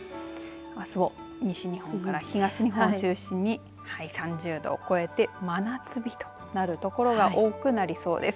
あすも西日本から東日本を中心に３０度を超えて真夏日となるところが多くなりそうです。